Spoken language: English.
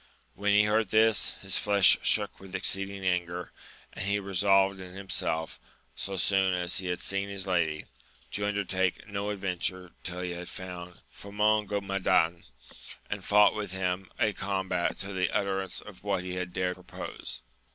When he heard this, his flesh shook with ex ceeding anger, and he resolved in himself, so soon as he had seen his lady, to undertake no adventure till he had found Famongomadan, and fought with him a combat to the utterance for what he had dared propose.